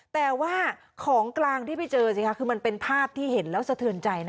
แต่ว่าของกลางที่ไปเจอสิคะคือมันเป็นภาพที่เห็นแล้วสะเทือนใจนะ